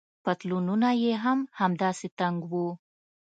پتلونونه يې هم همداسې تنګ وو.